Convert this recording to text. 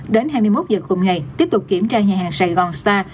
đến hai mươi một giờ cùng ngày tiếp tục kiểm tra nhà hàng sài gòn spa